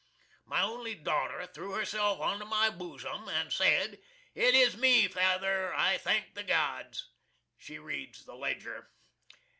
My only daughter threw herself onto my boosum, and said, "It is me fayther! I thank the gods!" She reads the "Ledger."